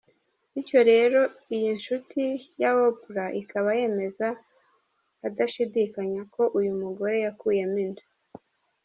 Bityo rero iyi nsuti ya Oprah ikaba yemeza adashidikanya ko uyu mugore yakuyemo inda.